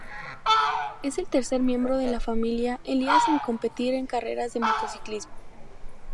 Es el tercer miembro de la familia Elías en competir en carreras de motociclismo.